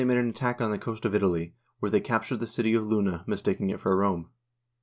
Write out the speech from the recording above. From here they made an attack on the coast of Italy, where they captured the city of Luna, mistaking it for Rome.